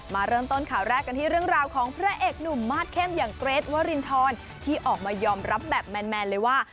มาเริ่มต้นข่าวแรกกันที่เรื่องราวของพระเอกหนุ่มมาสเข้มอย่างเกรทวรินทรที่ออกมายอมรับแบบแมนเลยว่า